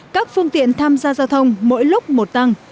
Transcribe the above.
các phương tiện tham gia giao thông mỗi lúc một tăng